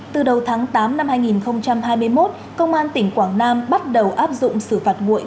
từ đầu tháng tám năm hai nghìn hai mươi một công an tỉnh quảng nam bắt đầu áp dụng xử phạt nguội